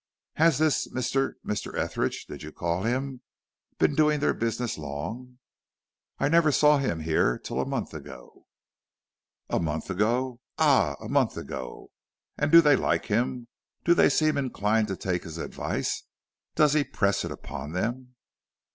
"Has this Mr. Mr. Etheridge, did you call him? been doing their business long?" "I never saw him here till a month ago." "Ah! a month ago! And do they like him? Do they seem inclined to take his advice? Does he press it upon them?"